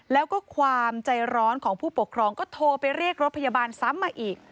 แล้วก็ความใจร้อนของผู้ปกครองก็โทรไปเรียกรถพยาบาลซ้ำมาอีก